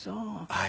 はい。